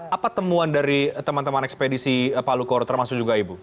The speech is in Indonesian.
apa temuan dari teman teman ekspedisi palu koro termasuk juga ibu